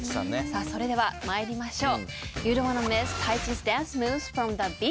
それでは参りましょう。